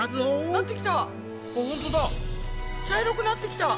茶色くなってきた！